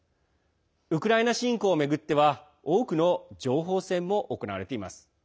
ウクライナ侵攻を巡っては多くの情報戦も行われています。